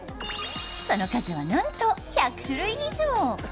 その数はなんと、１００種類以上。